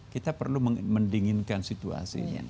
kita perlu mendinginkan situasi ini